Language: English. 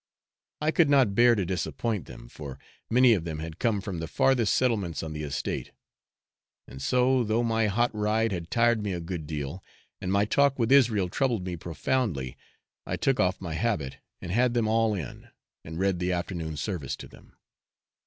I could not bear to disappoint them, for many of them had come from the farthest settlements on the estate; and so, though my hot ride had tired me a good deal, and my talk with Israel troubled me profoundly, I took off my habit, and had them all in, and read the afternoon service to them.